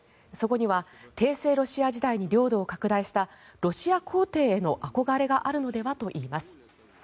そこには帝政ロシア時代に領土を拡大したロシア皇帝への憧れがあるのではといいます。